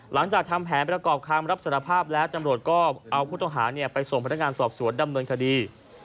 หลังจากทำแผนประกอบคำรับสารภาพแล้วตำรวจก็เอาผู้ต้องหาไปส่งพนักงานสอบสวนดำเนินคดี